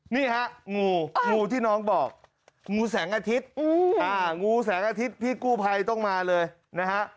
นี่ฮะงูงูที่น้องบอกงูแสงอาทิตย์งูแสงอาทิตย์พี่กู้ภัยต้องมาเลยนะฮะ